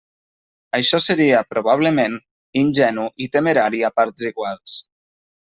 Això seria, probablement, ingenu i temerari a parts iguals.